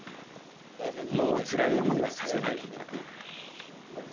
もうつらい思いはさせない。